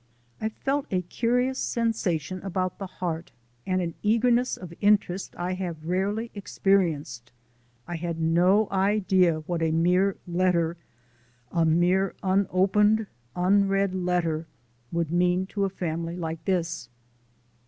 I felt a curious sensation about the heart, and an eagerness of interest I have rarely experienced. I had no idea what a mere letter a mere unopened unread letter would mean to a family like this.